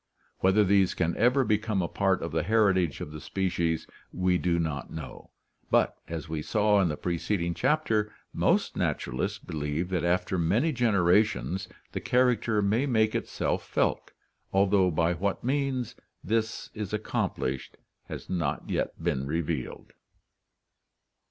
Whether these can ever become a part of the heritage of the species we do not know, but, as we saw ORTHOGENESIS AND KINETOGENESIS 189 in the preceding chapter, most naturalists believe that after many generations the character may make itself felt, although by what means this is accomplished has not yet been revealed.